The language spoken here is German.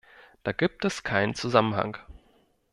Da gibt es keinen Zusammenhang.